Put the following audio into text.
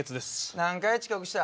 何回遅刻した？